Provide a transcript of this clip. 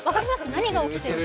何が起きているか。